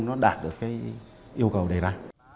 nó đạt được cái yêu cầu đề ra